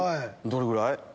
どれぐらい？